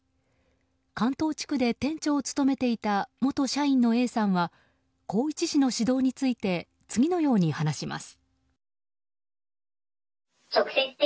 関東地区で店長を務めていた元社員のＡさんは宏一氏の指導について次のように話します。